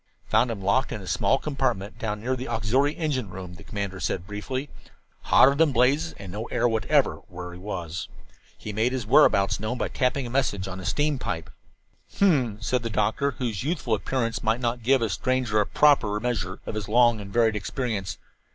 "Found him locked in a small compartment down near the auxiliary engine room," the commander said briefly. "Hotter than blazes, and no air whatever where he was. He made his whereabouts known by tapping a message on a steam pipe." "H'm," said the doctor, whose youthful appearance might not give a stranger a proper measure of his long and varied experience.